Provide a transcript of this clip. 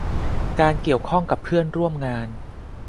การเกี่ยวข้องกับเพื่อนร่วมงาน